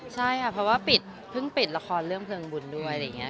ใช่อะเพราะว่าพึ่งปิดละครเรื่องเผลอบุญด้วย